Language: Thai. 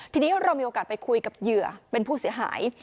ทีนี้เรามีโอกาสไปคุยกับเหยื่อเป็นผู้เสียหาย